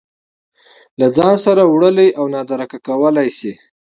له ځان سره وړلی او نادرکه کولی شي